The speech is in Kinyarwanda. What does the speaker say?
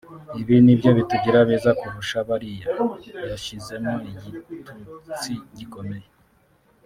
Ibi nibyo bitugira beza kurusha bariya (…) [yashyizemo igitutsi gikomeye]…